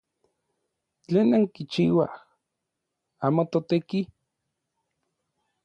¿Tlen nankichiuaj? ¡Amo toteki!